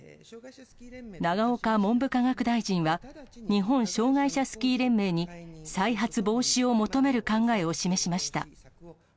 永岡文部科学大臣は、日本障害者スキー連盟に再発防止を求める考えを示しました。